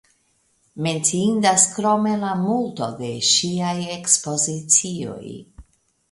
Menciindas krome la multo de ŝiaj ekspozicioj.